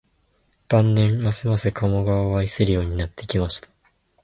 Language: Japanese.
晩年、ますます加茂川を愛するようになってきました